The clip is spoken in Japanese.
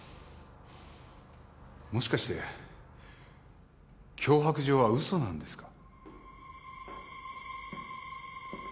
もしかして脅迫状は嘘なんですか？